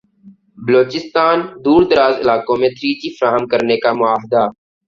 بلوچستان دوردراز علاقوں میں تھری جی فراہم کرنے کا معاہدہ